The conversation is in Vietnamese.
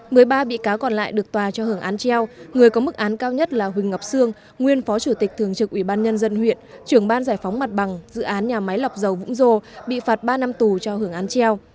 một mươi ba bị cáo còn lại được tòa cho hưởng án treo người có mức án cao nhất là huỳnh ngọc sương nguyên phó chủ tịch thường trực ủy ban nhân dân huyện trưởng ban giải phóng mặt bằng dự án nhà máy lọc dầu vũng dô bị phạt ba năm tù cho hưởng án treo